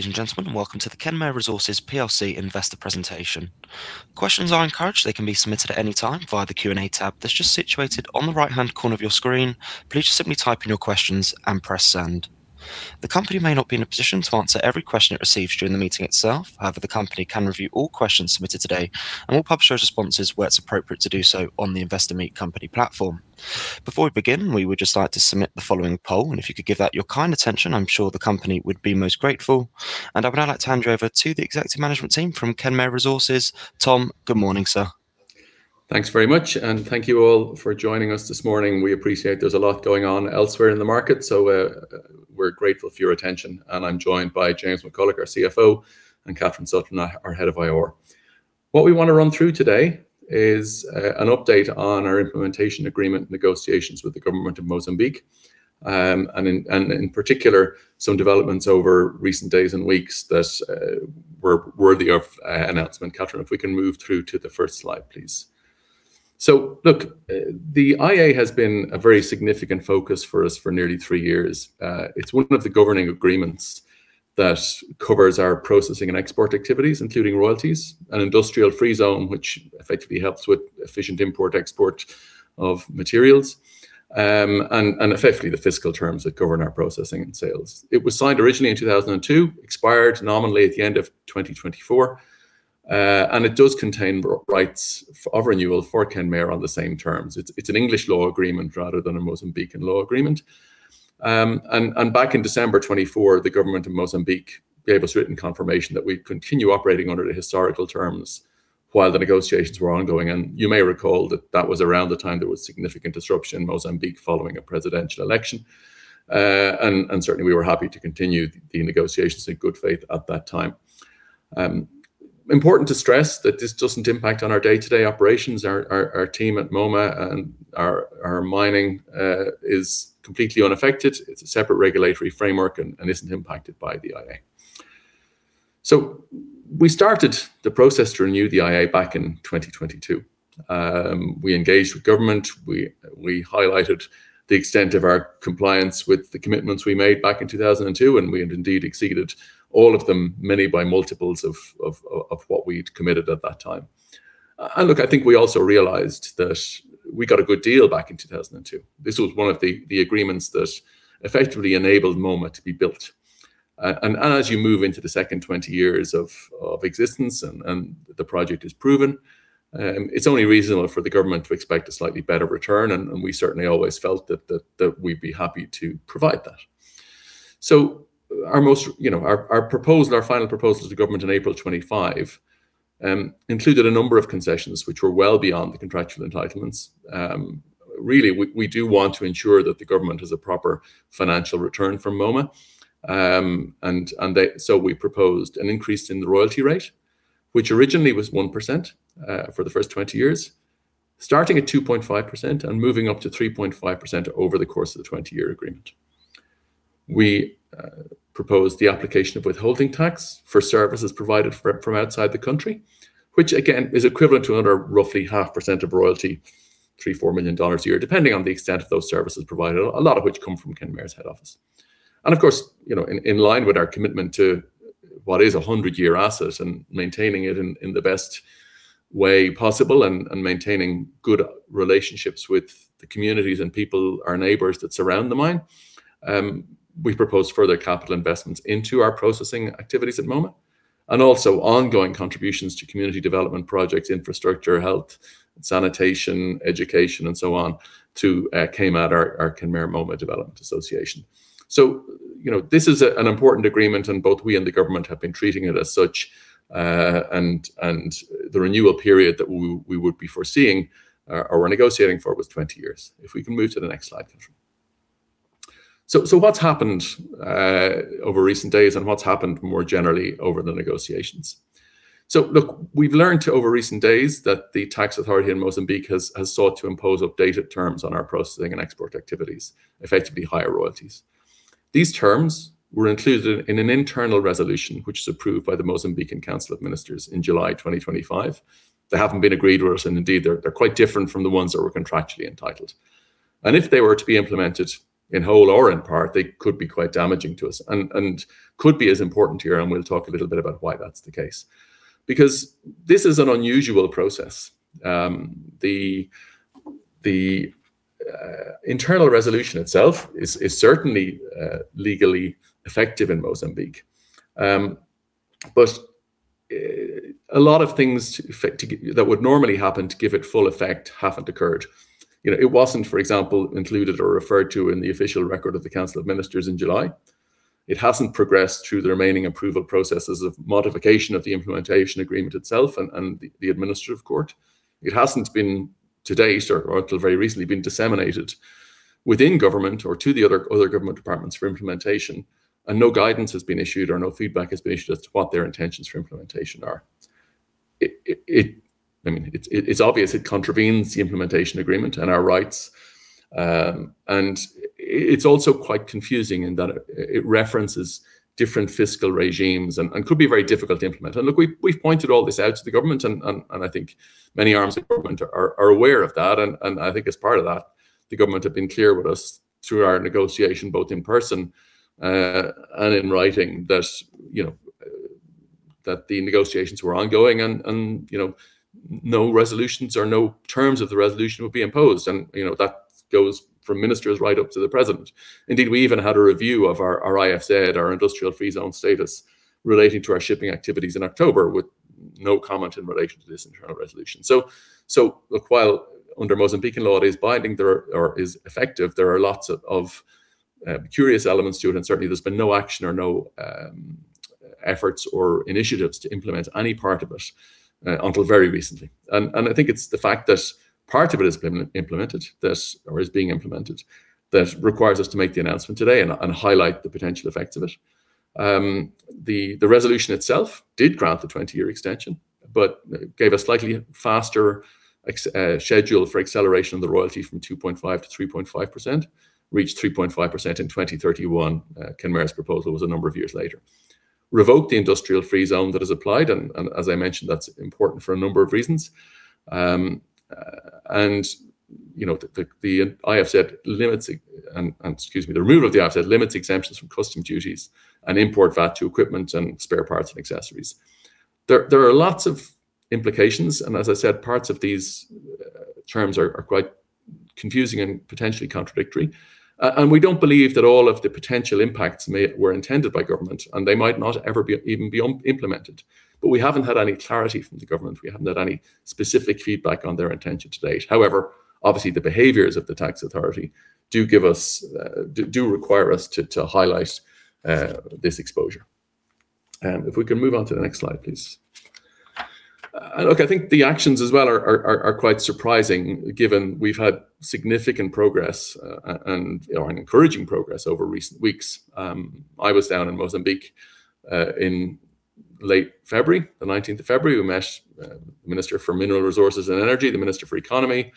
Ladies and gentlemen, welcome to the Kenmare Resources plc investor presentation. Questions are encouraged. They can be submitted at any time via the Q&A tab that's just situated on the right-hand corner of your screen. Please just simply type in your questions and press Send. The company may not be in a position to answer every question it receives during the meeting itself. However, the company can review all questions submitted today and will publish those responses where it's appropriate to do so on the Investor Meet Company platform. Before we begin, we would just like to submit the following poll, and if you could give that your kind attention, I'm sure the company would be most grateful. I would now like to hand you over to the executive management team from Kenmare Resources. Tom, good morning, sir. Thanks very much. Thank you all for joining us this morning. We appreciate there's a lot going on elsewhere in the market, we're grateful for your attention. I'm joined by James McCullough, our CFO, and Katharine Sutton, our Head of IR. What we want to run through today is an update on our Implementation Agreement negotiations with the Government of Mozambique, and in particular, some developments over recent days and weeks that were worthy of announcement. Katharine, if we can move through to the first slide, please. Look, the IA has been a very significant focus for us for nearly three years. It's one of the governing agreements that covers our processing and export activities, including royalties and Industrial Free Zone, which effectively helps with efficient import/export of materials, and effectively the fiscal terms that govern our processing and sales. It was signed originally in 2002, expired nominally at the end of 2024, and it does contain rights of renewal for Kenmare on the same terms. It's an English law agreement rather than a Mozambican law agreement. Back in December 24, the government of Mozambique gave us written confirmation that we'd continue operating under the historical terms while the negotiations were ongoing. You may recall that that was around the time there was significant disruption in Mozambique following a presidential election. Certainly we were happy to continue the negotiations in good faith at that time. Important to stress that this doesn't impact on our day-to-day operations. Our team at Moma and our mining is completely unaffected. It's a separate regulatory framework and isn't impacted by the IA. We started the process to renew the IA back in 2022. We engaged with government. We highlighted the extent of our compliance with the commitments we made back in 2002, and we had indeed exceeded all of them, many by multiples of what we'd committed at that time. Look, I think we also realized that we got a good deal back in 2002. This was one of the agreements that effectively enabled Moma to be built. As you move into the second 20 years of existence and the project is proven, it's only reasonable for the Government to expect a slightly better return, and we certainly always felt that we'd be happy to provide that. Our proposal, our final proposal to the Government in April 25, included a number of concessions which were well beyond the contractual entitlements. Really we do want to ensure that the Government has a proper financial return from Moma. We proposed an increase in the royalty rate, which originally was 1%, for the first 20 years, starting at 2.5% and moving up to 3.5% over the course of the 20-year agreement. We proposed the application of withholding tax for services provided from outside the country, which again is equivalent to another roughly 0.5% of royalty, $3 million-$4 million a year, depending on the extent of those services provided, a lot of which come from Kenmare's head office. Of course, you know, in line with our commitment to what is a 100-year asset and maintaining it in the best way possible and maintaining good relationships with the communities and people, our neighbors that surround the mine, we've proposed further capital investments into our processing activities at Moma and also ongoing contributions to community development projects, infrastructure, health, sanitation, education, and so on to KMAD, our Kenmare Moma Development Association. You know, this is an important agreement and both we and the government have been treating it as such. The renewal period that we would be foreseeing or negotiating for was 20 years. If we can move to the next slide, Katharine. What's happened over recent days and what's happened more generally over the negotiations? We've learned over recent days that the Mozambique Tax Authority has sought to impose updated terms on our processing and export activities, effectively higher royalties. These terms were included in an internal resolution, which is approved by the Mozambican Council of Ministers in July 2025. They haven't been agreed with us, indeed they're quite different from the ones that we're contractually entitled. If they were to be implemented in whole or in part, they could be quite damaging to us and could be as important here, we'll talk a little bit about why that's the case. This is an unusual process. The internal resolution itself is certainly legally effective in Mozambique. A lot of things that would normally happen to give it full effect haven't occurred. You know, it wasn't, for example, included or referred to in the official record of the Council of Ministers in July. It hasn't progressed through the remaining approval processes of modification of the Implementation Agreement itself and the Administrative Court. It hasn't been to date or until very recently, been disseminated within government or to the other government departments for implementation, and no guidance has been issued or no feedback has been issued as to what their intentions for implementation are. I mean, it's obvious it contravenes the Implementation Agreement and our rights. It's also quite confusing in that it references different fiscal regimes and could be very difficult to implement. We've pointed all this out to the government and I think many arms of government are aware of that. I think as part of that, the government have been clear with us through our negotiation, both in person and in writing, that the negotiations were ongoing and you know, no resolutions or no terms of the resolution would be imposed. You know, that goes from ministers right up to the president. We even had a review of our IFZ, our Industrial Free Zone status relating to our shipping activities in October with no comment in relation to this internal resolution. Look, while under Mozambican law it is binding there or is effective, there are lots of curious elements to it, and certainly there's been no action or no efforts or initiatives to implement any part of it until very recently. I think it's the fact that part of it has been implemented this or is being implemented that requires us to make the announcement today and highlight the potential effects of it. The resolution itself did grant the 20-year extension, but gave a slightly faster schedule for acceleration of the royalty from 2.5% to 3.5%. Reached 3.5% in 2031, Kenmare's proposal was a number of years later. Revoked the Industrial Free Zone that has applied and as I mentioned, that's important for a number of reasons. You know, the IFZ limits and excuse me. The rule of the IFZ limits exemptions from custom duties and import VAT to equipment and spare parts and accessories. There are lots of implications, and as I said, parts of these terms are quite confusing and potentially contradictory. We don't believe that all of the potential impacts were intended by government, and they might not ever be even be implemented. We haven't had any clarity from the government. We haven't had any specific feedback on their intentions to date. However, obviously the behaviors of the Mozambique Tax Authority do give us, do require us to highlight this exposure. If we can move on to the next slide, please. Look, I think the actions as well are quite surprising given we've had significant progress and encouraging progress over recent weeks. I was down in Mozambique in late February. The 19th of February, we met the Minister for Mineral Resources and Energy, the Minister for Economy,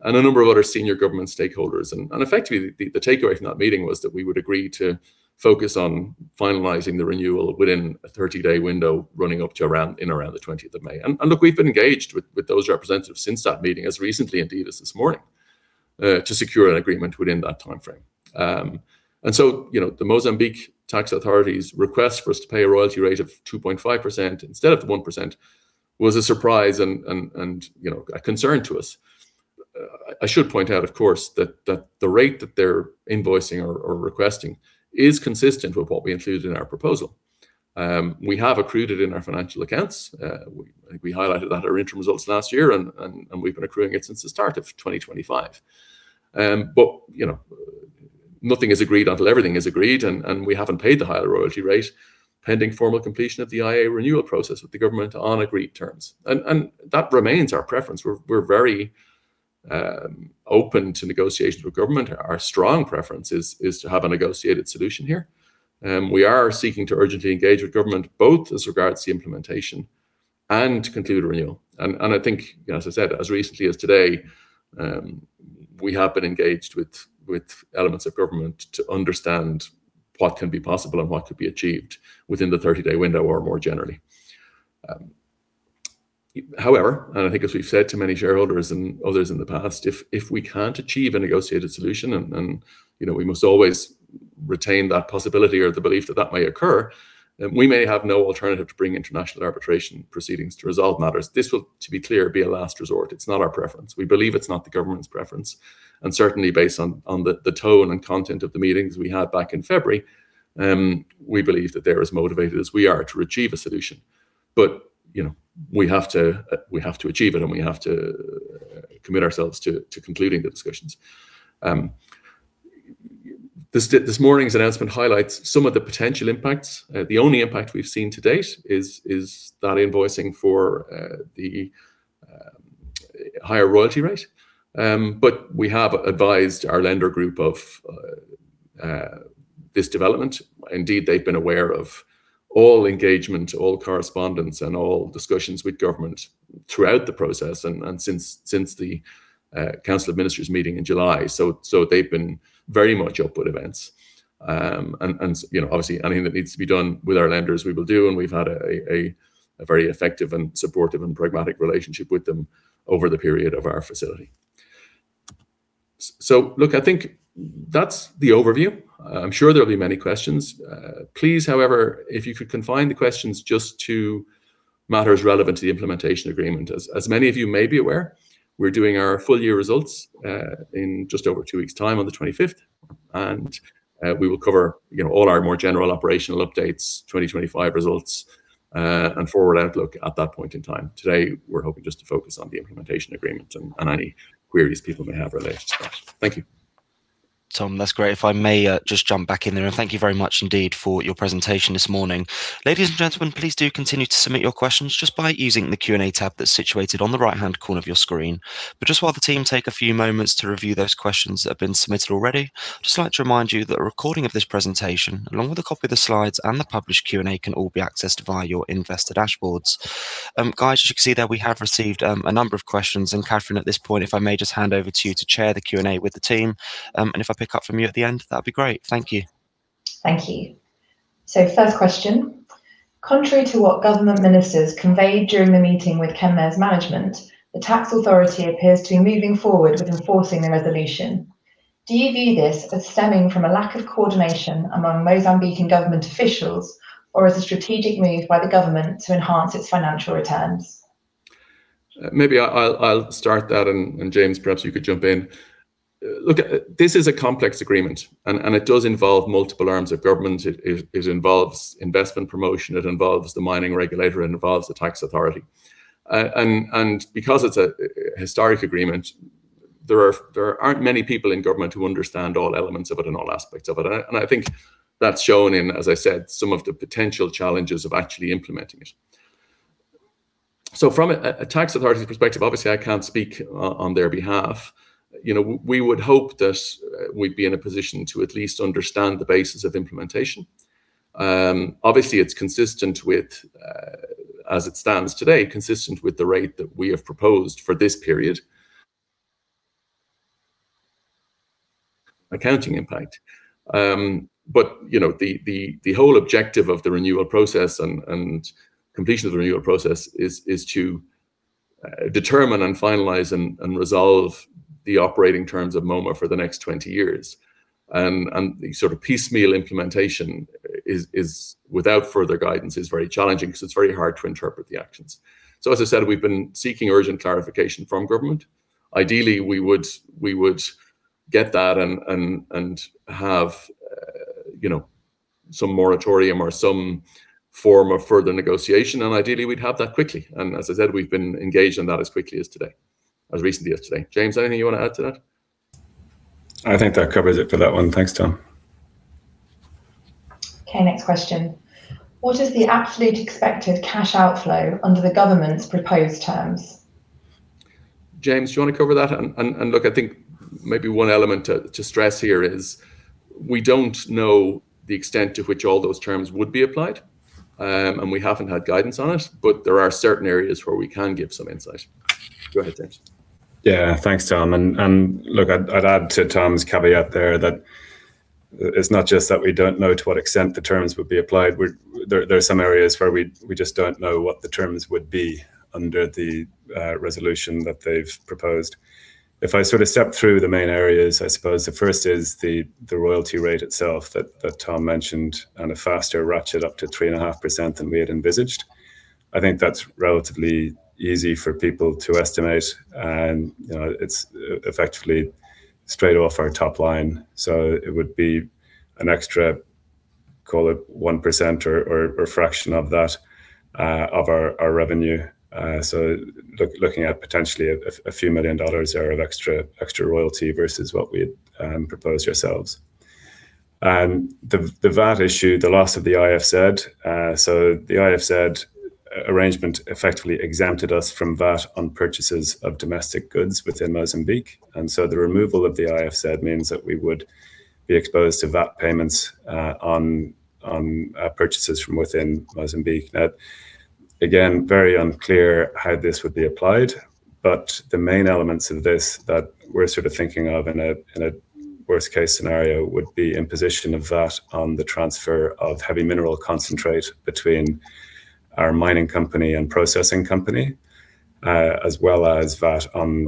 and a number of other senior government stakeholders. Effectively the takeaway from that meeting was that we would agree to focus on finalizing the renewal within a 30-day window running up to around the 20th of May. Look, we've been engaged with those representatives since that meeting as recently indeed as this morning to secure an agreement within that timeframe. You know, the Mozambique Tax Authority's request for us to pay a royalty rate of 2.5% instead of the 1% was a surprise and, you know, a concern to us. I should point out, of course, that the rate that they're invoicing or requesting is consistent with what we included in our proposal. We have accrued it in our financial accounts. I think we highlighted that our interim results last year and we've been accruing it since the start of 2025. You know, nothing is agreed until everything is agreed and we haven't paid the higher royalty rate pending formal completion of the IA renewal process with the government on agreed terms. That remains our preference. We're very open to negotiations with government. Our strong preference is to have a negotiated solution here. We are seeking to urgently engage with Government both as regards to the implementation and to conclude a renewal. I think, you know, as I said, as recently as today, we have been engaged with elements of Government to understand what can be possible and what could be achieved within the 30-day window or more generally. However, I think as we've said to many shareholders and others in the past, if we can't achieve a negotiated solution and, you know, we must always retain that possibility or the belief that that may occur, then we may have no alternative to bring international arbitration proceedings to resolve matters. This will, to be clear, be a last resort. It's not our preference. We believe it's not the government's preference, and certainly based on the tone and content of the meetings we had back in February, we believe that they're as motivated as we are to achieve a solution. You know, we have to achieve it, and we have to commit ourselves to concluding the discussions. This morning's announcement highlights some of the potential impacts. The only impact we've seen to date is that invoicing for the higher royalty rate. We have advised our lender group of this development. Indeed, they've been aware of all engagement, all correspondence, and all discussions with government throughout the process and since the Council of Ministers meeting in July. They've been very much up with events. You know, obviously anything that needs to be done with our lenders, we will do, and we've had a very effective and supportive and pragmatic relationship with them over the period of our facility. Look, I think that's the overview. I'm sure there'll be many questions. Please, however, if you could confine the questions just to matters relevant to the Implementation Agreement. As many of you may be aware, we're doing our full year results in just over two weeks' time on the 25th. We will cover, you know, all our more general operational updates, 2025 results, and forward outlook at that point in time. Today, we're hoping just to focus on the Implementation Agreement and any queries people may have related to that. Thank you. Tom, that's great. If I may, just jump back in there, and thank you very much indeed for your presentation this morning. Ladies and gentlemen, please do continue to submit your questions just by using the Q&A tab that's situated on the right-hand corner of your screen. Just while the team take a few moments to review those questions that have been submitted already, just like to remind you that a recording of this presentation, along with a copy of the slides and the published Q&A, can all be accessed via your investor dashboards. Guys, as you can see there, we have received a number of questions. Katharine, at this point, if I may just hand over to you to chair the Q&A with the team. If I pick up from you at the end, that'd be great. Thank you. Thank you. First question. Contrary to what government ministers conveyed during the meeting with Kenmare's management, the Tax Authority appears to be moving forward with enforcing the resolution. Do you view this as stemming from a lack of coordination among Mozambican government officials or as a strategic move by the government to enhance its financial returns? Maybe I'll start that and James, perhaps you could jump in. Look, this is a complex agreement and it does involve multiple arms of government. It involves investment promotion, it involves the mining regulator, it involves the Tax Authority. And because it's a historic agreement, there aren't many people in government who understand all elements of it and all aspects of it. I think that's shown in, as I said, some of the potential challenges of actually implementing it. From a tax authority perspective, obviously, I can't speak on their behalf. You know, we would hope that we'd be in a position to at least understand the basis of implementation. Obviously, it's consistent with, as it stands today, consistent with the rate that we have proposed for this period. Accounting impact. You know, the whole objective of the renewal process and completion of the renewal process is to determine and finalize and resolve the operating terms of Moma for the next 20 years. The sort of piecemeal implementation is without further guidance, is very challenging 'cause it's very hard to interpret the actions. As I said, we've been seeking urgent clarification from government. Ideally, we would get that and have, you know, some moratorium or some form of further negotiation, and ideally, we'd have that quickly. As I said, we've been engaged on that as quickly as today, as recently as today. James, anything you wanna add to that? I think that covers it for that one. Thanks, Tom. Okay, next question. What is the absolute expected cash outflow under the government's proposed terms? James, do you wanna cover that? Look, I think maybe one element to stress here is we don't know the extent to which all those terms would be applied, and we haven't had guidance on it, but there are certain areas where we can give some insight. Go ahead, James. Yeah. Thanks, Tom. Look, I'd add to Tom's caveat there that it's not just that we don't know to what extent the terms would be applied. There are some areas where we just don't know what the terms would be under the resolution that they've proposed. If I sort of step through the main areas, I suppose the first is the royalty rate itself that Tom mentioned and a faster ratchet up to 3.5% than we had envisaged. I think that's relatively easy for people to estimate and, you know, it's effectively straight off our top line. It would be an extra, call it 1% or a fraction of that of our revenue. Looking at potentially a few million dollars there of extra royalty versus what we had proposed ourselves. The VAT issue, the loss of the IFZ. The IFZ arrangement effectively exempted us from VAT on purchases of domestic goods within Mozambique. The removal of the IFZ means that we would be exposed to VAT payments on purchases from within Mozambique. Now, again, very unclear how this would be applied, but the main elements of this that we're sort of thinking of in a, in a worst case scenario would be imposition of VAT on the transfer of heavy mineral concentrate between our mining company and processing company, as well as VAT on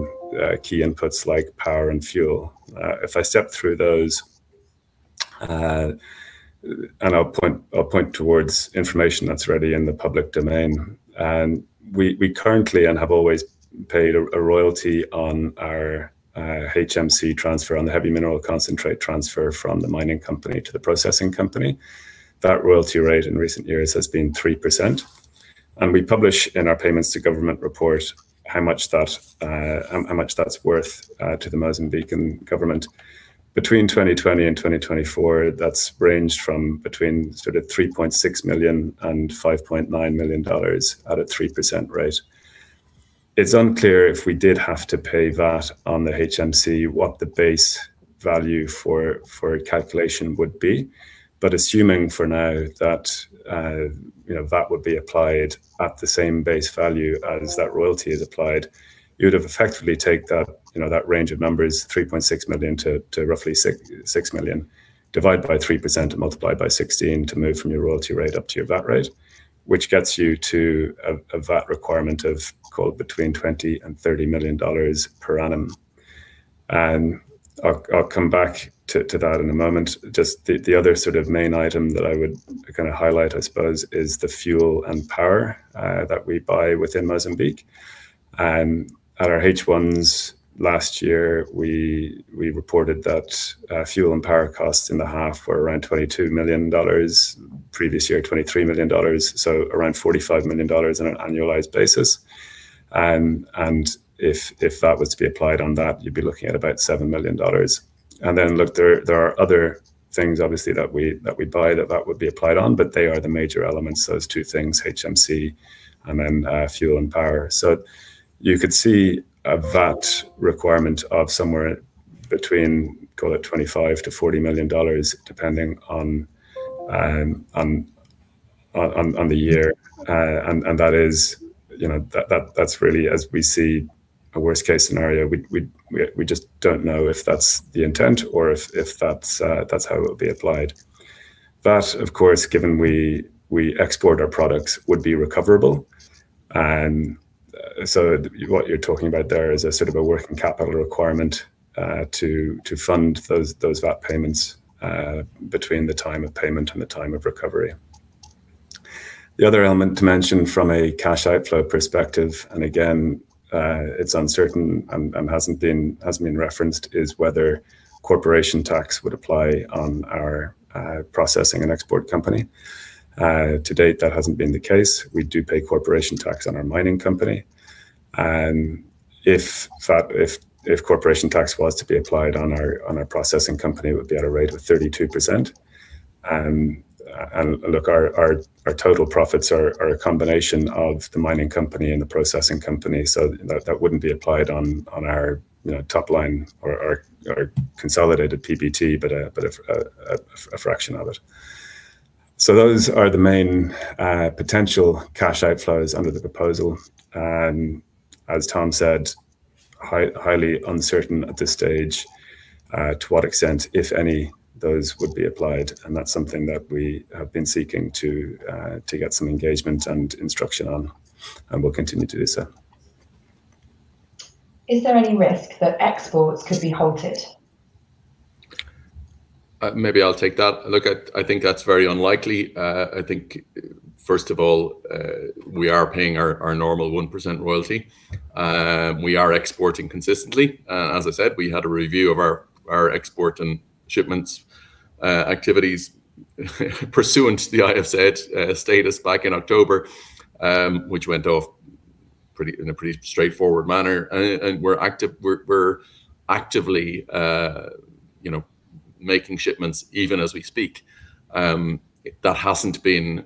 key inputs like power and fuel. If I step through those, I'll point towards information that's already in the public domain. We currently and have always paid a royalty on our HMC transfer, on the heavy mineral concentrate transfer from the mining company to the processing company. That royalty rate in recent years has been 3%. We publish in our payments to government report how much that, how much that's worth to the Mozambican government. Between 2020 and 2024, that's ranged from between sort of $3.6 million and $5.9 million at a 3% rate. It's unclear if we did have to pay VAT on the HMC, what the base value for calculation would be. Assuming for now that, you know, that would be applied at the same base value as that royalty is applied, you would have effectively take that, you know, that range of numbers, $3.6 million to roughly $6 million, divide by 3% and multiply by 16 to move from your royalty rate up to your VAT rate, which gets you to a VAT requirement of, call it between $20 million and $30 million per annum. I'll come back to that in a moment. Just the other sort of main item that I would kinda highlight, I suppose, is the fuel and power that we buy within Mozambique. At our H1s last year, we reported that fuel and power costs in the half were around $22 million, previous year, $23 million, so around $45 million on an annualized basis. If that was to be applied on that, you'd be looking at about $7 million. Then look, there are other things obviously that we buy that would be applied on, but they are the major elements, those two things, HMC and then fuel and power. You could see a VAT requirement of somewhere between, call it $25 million-$40 million, depending on the year. That is, you know, that's really as we see a worst case scenario. We just don't know if that's the intent or if that's how it will be applied. That, of course, given we export our products would be recoverable. What you're talking about there is a sort of a working capital requirement to fund those VAT payments between the time of payment and the time of recovery. The other element to mention from a cash outflow perspective, again, it's uncertain and hasn't been referenced, is whether corporation tax would apply on our processing and export company. To date, that hasn't been the case. We do pay corporation tax on our mining company, and if corporation tax was to be applied on our processing company, it would be at a rate of 32%. Look, our total profits are a combination of the mining company and the processing company. That wouldn't be applied on our, you know, top line or consolidated PBT, but a fraction of it. Those are the main potential cash outflows under the proposal. As Tom said, highly uncertain at this stage, to what extent, if any, those would be applied. That's something that we have been seeking to get some engagement and instruction on, and we'll continue to do so. Is there any risk that exports could be halted? Maybe I'll take that. Look, I think that's very unlikely. I think first of all, we are paying our normal 1% royalty. We are exporting consistently. As I said, we had a review of our export and shipments activities pursuant to the IFZ status back in October, which went off in a pretty straightforward manner. We're actively, you know, making shipments even as we speak. That hasn't been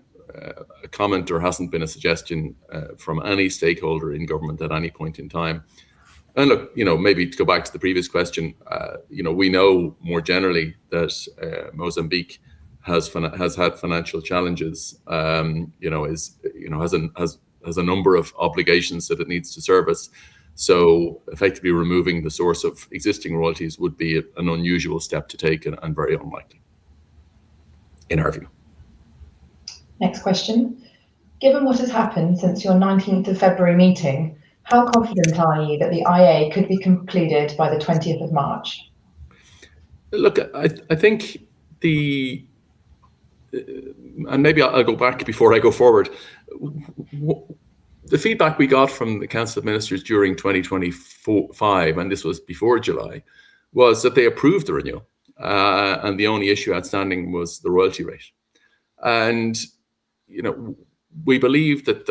a comment or hasn't been a suggestion from any stakeholder in government at any point in time. Look, you know, maybe to go back to the previous question, you know, we know more generally that, Mozambique has had financial challenges, you know, is, you know, has a number of obligations that it needs to service. Effectively, removing the source of existing royalties would be an unusual step to take and very unlikely in our view. Next question. Given what has happened since your 19th of February meeting, how confident are you that the IA could be concluded by the 20th of March? Look, I think the. Maybe I'll go back before I go forward. The feedback we got from the Council of Ministers during 2024-2025, and this was before July, was that they approved the renewal. The only issue outstanding was the royalty rate. You know, we believe that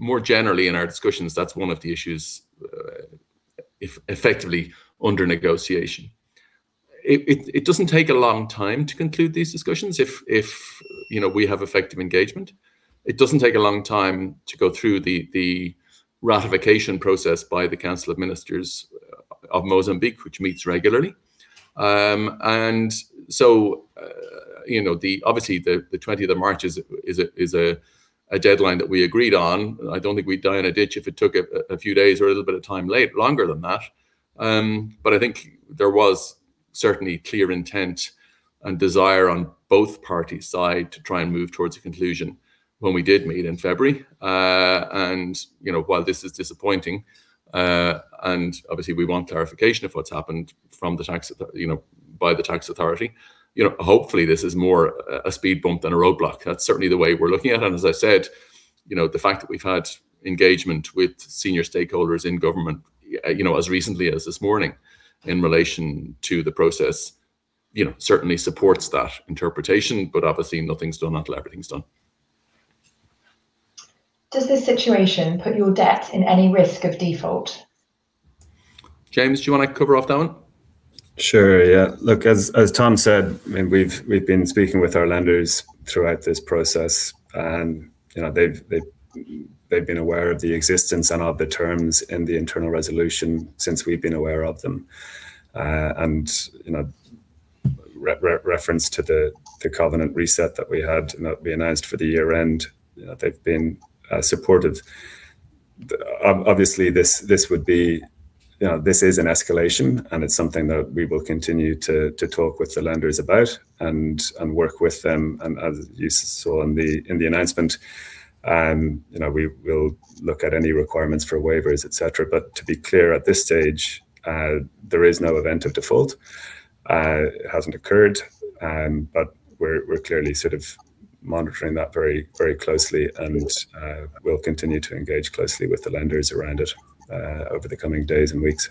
more generally in our discussions, that's one of the issues effectively under negotiation. It doesn't take a long time to conclude these discussions if, you know, we have effective engagement. It doesn't take a long time to go through the ratification process by the Council of Ministers of Mozambique, which meets regularly. So, you know, obviously the 20th of March is a deadline that we agreed on. I don't think we'd die in a ditch if it took a few days or a little bit of time longer than that. I think there was certainly clear intent and desire on both parties' side to try and move towards a conclusion when we did meet in February. you know, while this is disappointing, and obviously we want clarification of what's happened from the Tax Authority, you know, by the Tax Authority. You know, hopefully this is more a speed bump than a roadblock. That's certainly the way we're looking at it. As I said, you know, the fact that we've had engagement with senior stakeholders in government, you know, as recently as this morning in relation to the process, you know, certainly supports that interpretation. Obviously nothing's done until everything's done. Does this situation put your debt in any risk of default? James, do you wanna cover off that one? Sure, yeah. Look, as Tom said, I mean, we've been speaking with our lenders throughout this process, and, you know, they've been aware of the existence and of the terms in the internal resolution since we've been aware of them. In reference to the covenant reset that we had, that we announced for the year-end, you know, they've been supportive. Obviously, this would be, you know, this is an escalation, and it's something that we will continue to talk with the lenders about and work with them. As you saw in the announcement, you know, we will look at any requirements for waivers, et cetera. To be clear, at this stage, there is no event of default. It hasn't occurred. We're clearly sort of monitoring that very, very closely and we'll continue to engage closely with the lenders around it over the coming days and weeks.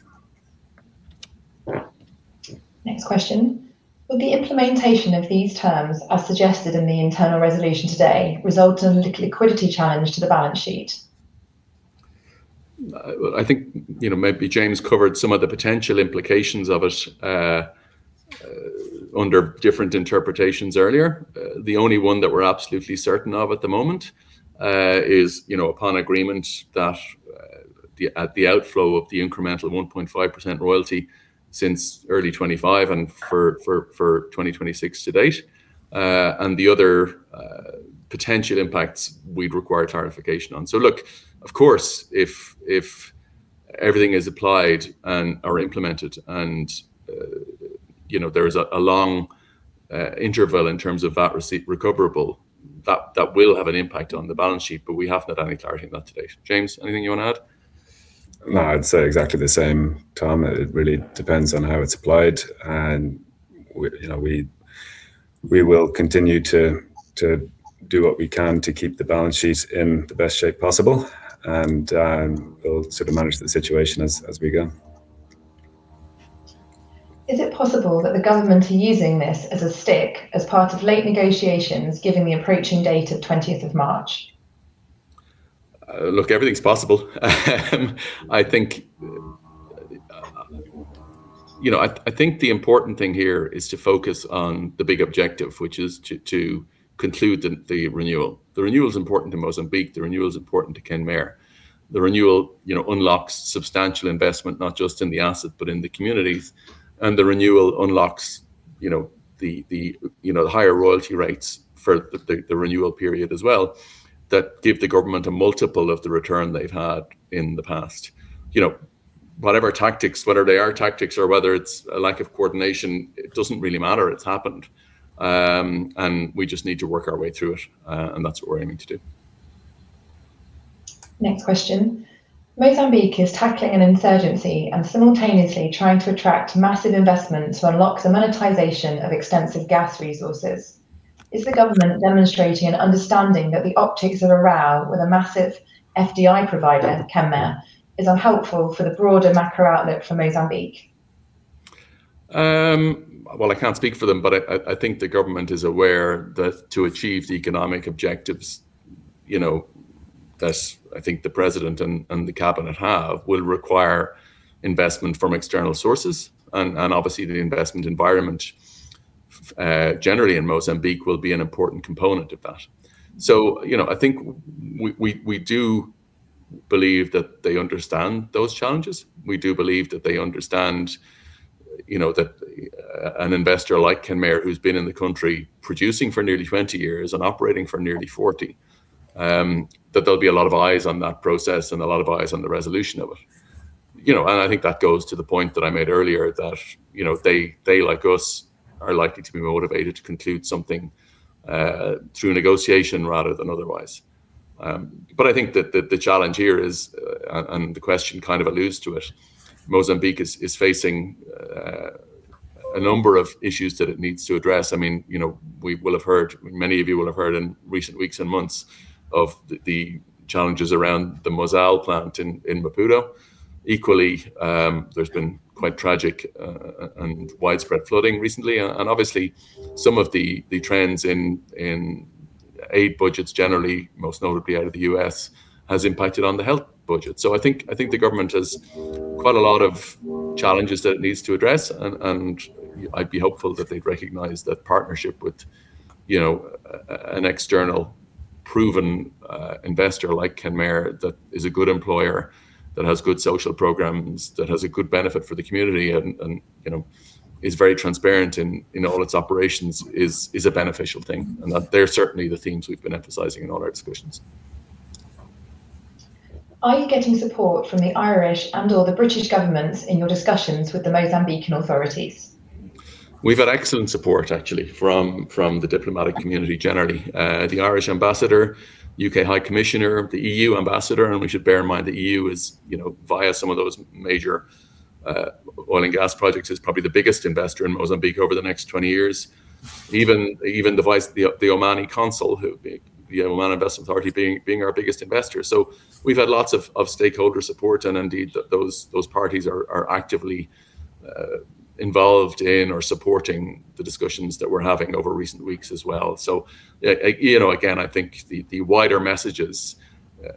Next question. Will the implementation of these terms, as suggested in the internal resolution today, result in a liquidity challenge to the balance sheet? Well, I think, you know, maybe James covered some of the potential implications of it under different interpretations earlier. The only one that we're absolutely certain of at the moment is, you know, upon agreement that the outflow of the incremental 1.5% royalty since early 2025 and for 2026 to date. The other potential impacts we'd require clarification on. Look, of course, if everything is applied and are implemented and, you know, there is a long interval in terms of that receipt recoverable, that will have an impact on the balance sheet, but we have not had any clarity on that to date. James, anything you wanna add? No, I'd say exactly the same, Tom. It really depends on how it's applied. We, you know, we will continue to do what we can to keep the balance sheet in the best shape possible and, we'll sort of manage the situation as we go. Is it possible that the government are using this as a stick as part of late negotiations given the approaching date of 20th of March? Look, everything's possible. I think, you know, I think the important thing here is to focus on the big objective, which is to conclude the renewal. The renewal is important to Mozambique. The renewal is important to Kenmare. The renewal, you know, unlocks substantial investment, not just in the asset, but in the communities. The renewal unlocks, you know, the higher royalty rates for the renewal period as well that give the government a multiple of the return they've had in the past. You know, whatever tactics, whether they are tactics or whether it's a lack of coordination, it doesn't really matter. It's happened. We just need to work our way through it, and that's what we're aiming to do. Next question. Mozambique is tackling an insurgency and simultaneously trying to attract massive investment to unlock the monetization of extensive gas resources. Is the government demonstrating an understanding that the optics of a row with a massive FDI provider, Kenmare, is unhelpful for the broader macro outlook for Mozambique? Well, I can't speak for them, but I think the government is aware that to achieve the economic objectives, you know, that I think the president and the cabinet have, will require investment from external sources and obviously the investment environment generally in Mozambique will be an important component of that. You know, I think we do believe that they understand those challenges. We do believe that they understand, you know, that an investor like Kenmare, who's been in the country producing for nearly 20 years and operating for nearly 40, that there'll be a lot of eyes on that process and a lot of eyes on the resolution of it. You know, I think that goes to the point that I made earlier that, you know, they like us are likely to be motivated to conclude something, through negotiation rather than otherwise. I think that the challenge here is, and the question kind of alludes to it, Mozambique is facing, a number of issues that it needs to address. I mean, you know, we will have heard, many of you will have heard in recent weeks and months of the challenges around the Mozal plant in Maputo. Equally, there's been quite tragic, and widespread flooding recently and obviously some of the trends in aid budgets generally, most notably out of the U.S., has impacted on the health budget. I think the government has quite a lot of challenges that it needs to address and I'd be hopeful that they'd recognize that partnership with, you know, an external proven investor like Kenmare that is a good employer, that has good social programs, that has a good benefit for the community and, you know, is very transparent in all its operations is a beneficial thing. That they're certainly the themes we've been emphasizing in all our discussions. Are you getting support from the Irish and/or the British governments in your discussions with the Mozambican authorities? We've had excellent support actually from the diplomatic community generally. The Irish ambassador, U.K. high commissioner, the E.U. ambassador, and we should bear in mind the E.U. is, you know, via some of those major oil and gas projects, is probably the biggest investor in Mozambique over the next 20 years. Even the vice, the Omani consul, who the Oman Investment Authority being our biggest investor. We've had lots of stakeholder support, and indeed those parties are actively involved in or supporting the discussions that we're having over recent weeks as well. You know, again, I think the wider messages,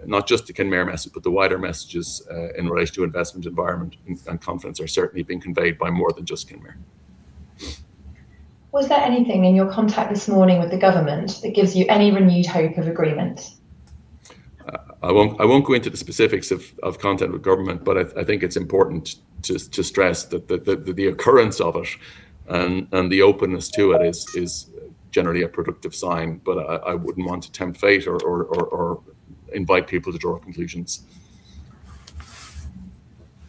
not just the Kenmare message, but the wider messages in relation to investment environment and confidence are certainly being conveyed by more than just Kenmare. Was there anything in your contact this morning with the government that gives you any renewed hope of agreement? I won't go into the specifics of content with government, but I think it's important to stress that the occurrence of it and the openness to it is generally a productive sign, but I wouldn't want to tempt fate or invite people to draw conclusions.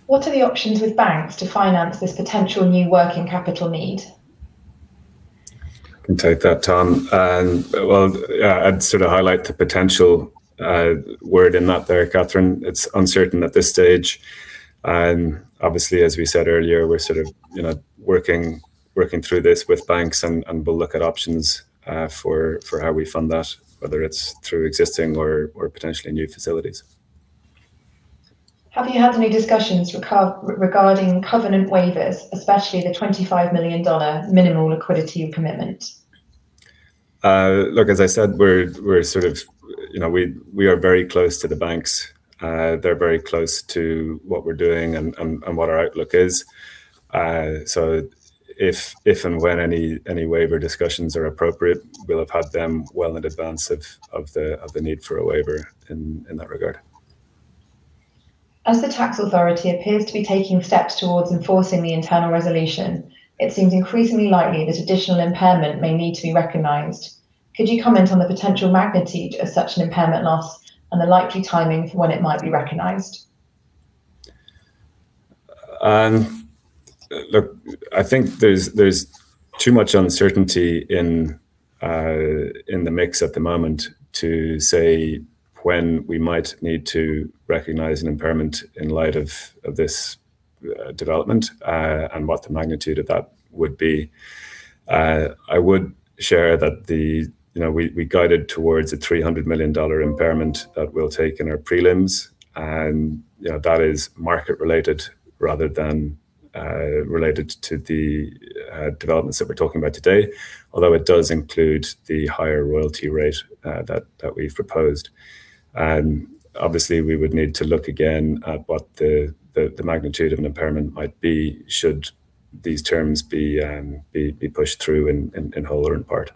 What are the options with banks to finance this potential new working capital need? I can take that, Tom. Well, yeah, I'd sort of highlight the potential word in that there, Katharine. It's uncertain at this stage. Obviously, as we said earlier, we're sort of, you know, working through this with banks and we'll look at options for how we fund that, whether it's through existing or potentially new facilities. Have you had any discussions regarding covenant waivers, especially the $25 million minimal liquidity commitment? As I siad, we're sort of, you know, we are very close to the banks. They're very close to what we're doing and what our outlook is. So if and when any waiver discussions are appropriate, we'll have had them well in advance of the need for a waiver in that regard. As the tax authority appears to be taking steps towards enforcing the internal resolution, it seems increasingly likely that additional impairment may need to be recognized. Could you comment on the potential magnitude of such an impairment loss and the likely timing for when it might be recognized? Look, I think there's too much uncertainty in the mix at the moment to say when we might need to recognize an impairment in light of this development and what the magnitude of that would be. I would share that you know, we guided towards a $300 million impairment that we'll take in our prelims. You know, that is market related rather than related to the developments that we're talking about today. It does include the higher royalty rate that we've proposed. Obviously we would need to look again at what the magnitude of an impairment might be, should these terms be pushed through in whole or in part.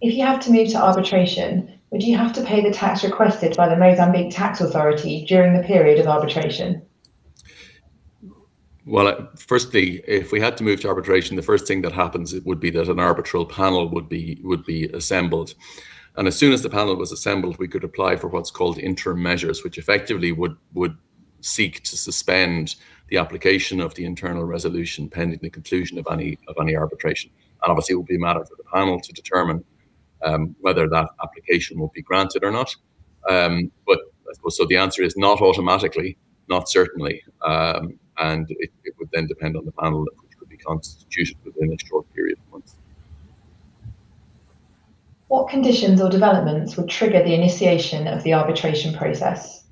If you have to move to arbitration, would you have to pay the tax requested by the Mozambique Tax Authority during the period of arbitration? Well, firstly, if we had to move to arbitration, the first thing that happens it would be that an arbitral panel would be assembled. As soon as the panel was assembled, we could apply for what's called interim measures, which effectively would seek to suspend the application of the internal resolution pending the conclusion of any arbitration. Obviously, it would be a matter for the panel to determine whether that application will be granted or not. I suppose so the answer is not automatically, not certainly. It would then depend on the panel that could be constituted within a short period of months. What conditions or developments would trigger the initiation of the arbitration process?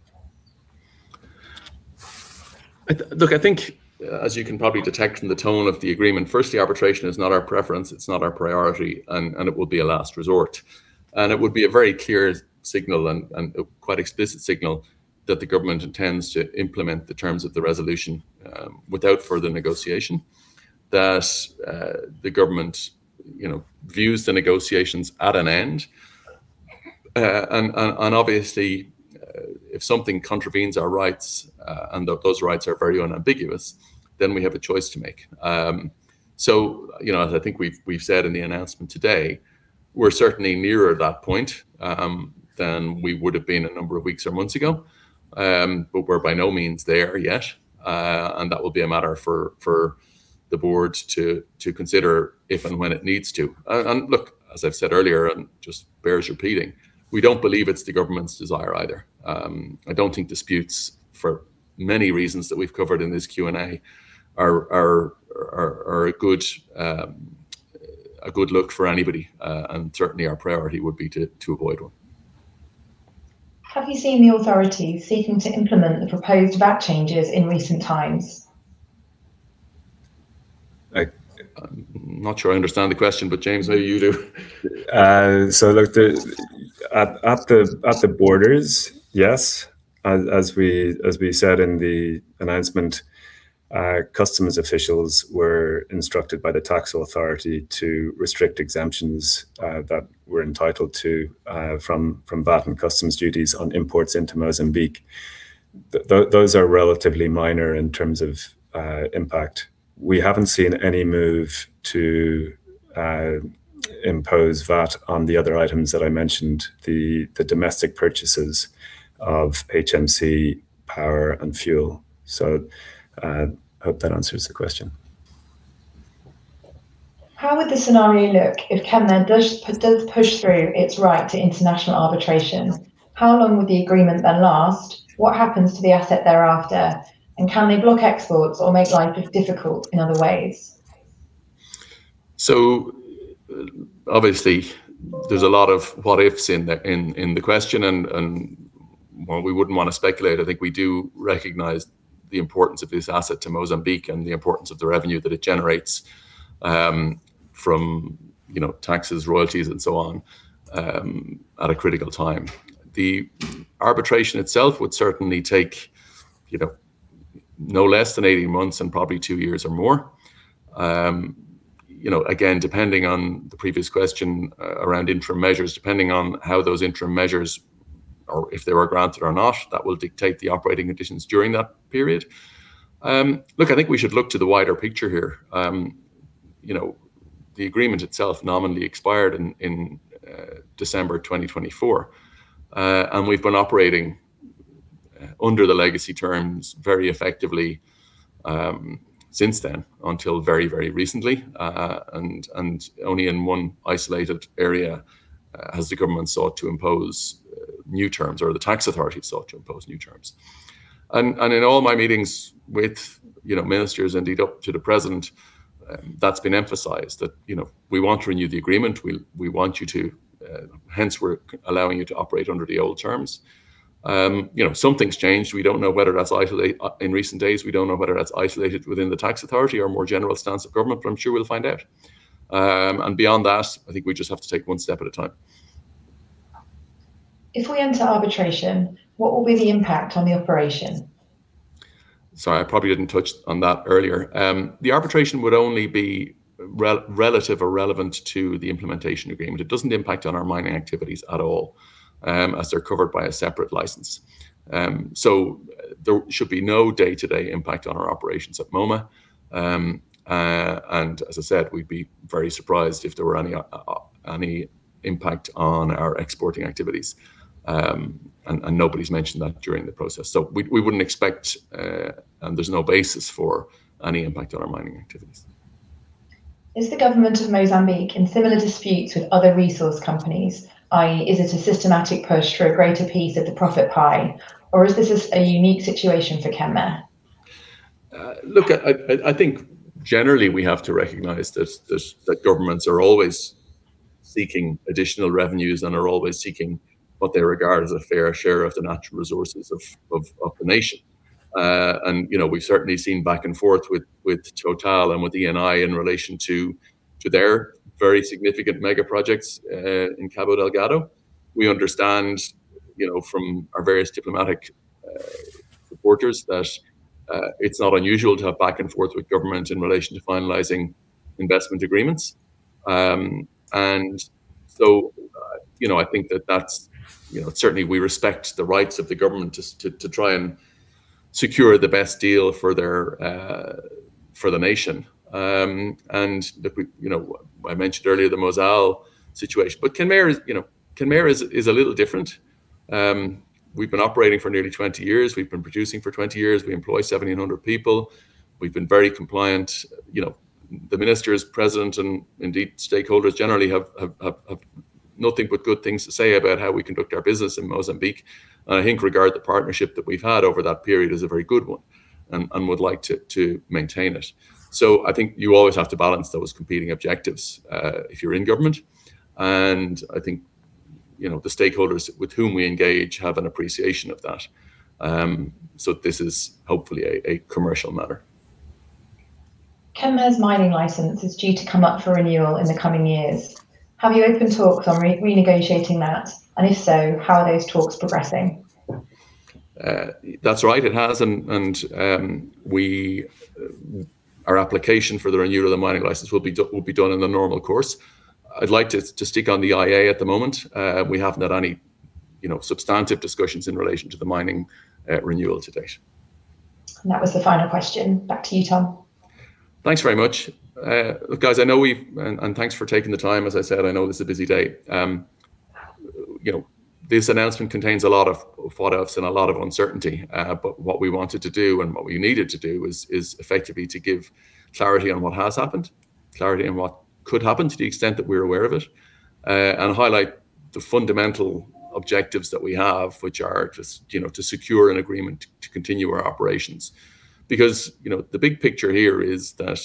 Look, I think as you can probably detect from the tone of the agreement, firstly, arbitration is not our preference, it's not our priority, and it would be a last resort. It would be a very clear signal and a quite explicit signal that the government intends to implement the terms of the resolution, without further negotiation. The government, you know, views the negotiations at an end. Obviously, if something contravenes our rights, and those rights are very unambiguous, then we have a choice to make. You know, as I think we've said in the announcement today, we're certainly nearer that point, than we would have been a number of weeks or months ago. We're by no means there yet. That will be a matter for the board to consider if and when it needs to. Look, as I've said earlier, and just bears repeating, we don't believe it's the government's desire either. I don't think disputes for many reasons that we've covered in this Q&A are a good, a good look for anybody. Certainly our priority would be to avoid one. Have you seen the authority seeking to implement the proposed VAT changes in recent times? I'm not sure I understand the question, but James, maybe you do. Look, at the borders, yes. As we said in the announcement, our customs officials were instructed by the Tax Authority to restrict exemptions that we're entitled to from VAT and customs duties on imports into Mozambique. Those are relatively minor in terms of impact. We haven't seen any move to impose VAT on the other items that I mentioned, the domestic purchases of HMC power and fuel. Hope that answers the question. How would the scenario look if Kenmare does push through its right to international arbitration? How long would the agreement then last? What happens to the asset thereafter? Can they block exports or make life difficult in other ways? Obviously there's a lot of what ifs in the question and while we wouldn't wanna speculate, I think we do recognize the importance of this asset to Mozambique and the importance of the revenue that it generates, from, you know, taxes, royalties and so on, at a critical time. The arbitration itself would certainly take, you know, no less than 18 months and probably two years or more. You know, again, depending on the previous question around interim measures, depending on how those interim measures or if they were granted or not, that will dictate the operating conditions during that period. Look, I think we should look to the wider picture here. You know, the agreement itself nominally expired in December 2024. We've been operating under the legacy terms very effectively since then until very, very recently. Only in one isolated area has the Government sought to impose new terms or the Tax Authority sought to impose new terms. In all my meetings with, you know, Ministers indeed up to the present, that's been emphasized that, you know, we want to renew the agreement. We want you to, hence we're allowing you to operate under the old terms. You know, something's changed. In recent days, we don't know whether that's isolated within the Tax Authority or more general stance of Government, but I'm sure we'll find out. Beyond that, I think we just have to take one step at a time. If we enter arbitration, what will be the impact on the operation? Sorry, I probably didn't touch on that earlier. The arbitration would only be relative or relevant to the Implementation Agreement. It doesn't impact on our mining activities at all, as they're covered by a separate license. There should be no day-to-day impact on our operations at Moma. As I said, we'd be very surprised if there were any impact on our exporting activities. Nobody's mentioned that during the process. We wouldn't expect, and there's no basis for any impact on our mining activities. Is the Government of Mozambique in similar disputes with other resource companies? i.e., is it a systematic push for a greater piece of the profit pie, or is this a unique situation for Kenmare? Look, I, I think generally we have to recognize that governments are always seeking additional revenues and are always seeking what they regard as a fair share of the natural resources of the nation. You know, we've certainly seen back and forth with Total and with Eni in relation to their very significant mega projects in Cabo Delgado. We understand, you know, from our various diplomatic reporters that it's not unusual to have back and forth with government in relation to finalizing investment agreements. You know, I think that that's, you know, certainly we respect the rights of the government to try and secure the best deal for their for the nation. That we, you know, I mentioned earlier the Mozal situation. Kenmare is, you know, Kenmare is a little different. We've been operating for nearly 20 years. We've been producing for 20 years. We employ 1,700 people. We've been very compliant. You know, the Minister is present, and indeed, stakeholders generally have nothing but good things to say about how we conduct our business in Mozambique, and I think regard the partnership that we've had over that period as a very good one and would like to maintain it. I think you always have to balance those competing objectives if you're in government, and I think, you know, the stakeholders with whom we engage have an appreciation of that. This is hopefully a commercial matter. Kenmare's mining license is due to come up for renewal in the coming years. Have you opened talks on renegotiating that, if so, how are those talks progressing? That's right. It has and, our application for the renewal of the mining license will be done in the normal course. I'd like to stick on the IA at the moment. We haven't had any, you know, substantive discussions in relation to the mining renewal to date. That was the final question. Back to you, Tom. Thanks very much. Look, guys, I know we've... Thanks for taking the time. As I said, I know this is a busy day. you know, this announcement contains a lot of what-ifs and a lot of uncertainty, but what we wanted to do and what we needed to do is effectively to give clarity on what has happened, clarity on what could happen to the extent that we're aware of it, and highlight the fundamental objectives that we have, which are to you know, to secure an agreement to continue our operations. Because, you know, the big picture here is that,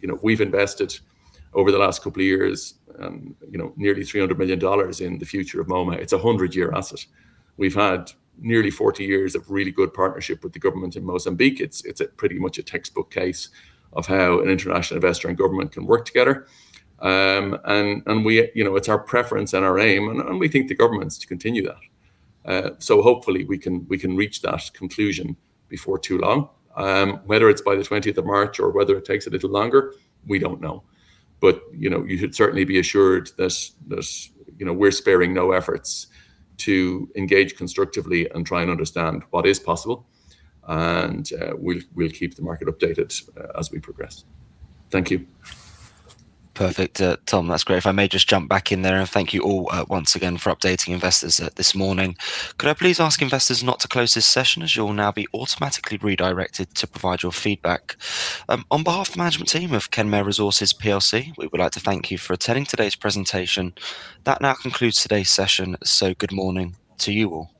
you know, we've invested over the last couple of years, you know, nearly $300 million in the future of Moma. It's a 100-year asset. We've had nearly 40 years of really good partnership with the government in Mozambique. It's, it's a pretty much a textbook case of how an international investor and government can work together. We, you know, it's our preference and our aim and we think the government's to continue that. Hopefully we can, we can reach that conclusion before too long. Whether it's by the 20th of March or whether it takes a little longer, we don't know. You know, you should certainly be assured that, you know, we're sparing no efforts to engage constructively and try and understand what is possible, and, we'll keep the market updated, as we progress. Thank you. Perfect, Tom. That's great. If I may just jump back in there, and thank you all, once again for updating investors, this morning. Could I please ask investors not to close this session, as you'll now be automatically redirected to provide your feedback. On behalf of the management team of Kenmare Resources PLC, we would like to thank you for attending today's presentation. That now concludes today's session, so good morning to you all.